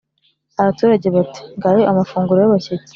Abaturage bati: "Ngayo amafunguro y'abashyitsi"